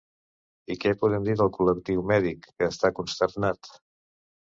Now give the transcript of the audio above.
I què podem dir del col·lectiu mèdic, que està consternat.